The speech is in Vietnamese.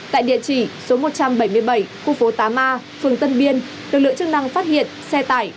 tại địa chỉ số một trăm bảy mươi bảy khu phố tám a phường tân biên lực lượng chức năng phát hiện xe tải